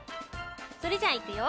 それじゃあいくよ。